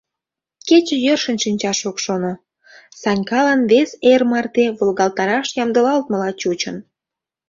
Кече йӧршын шинчаш ок шоно, Санькалан вес эр марте волгалтараш ямдылалтмыла чучын.